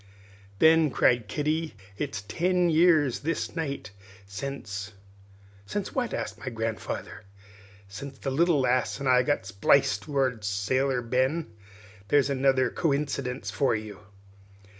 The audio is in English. "Then," cried Kitty, "it's ten years this night sence " "Since what?" asked my grandfather. "Sence the little lass and I got spliced!" roared Sailor Ben. "There's another coincydunce for you!"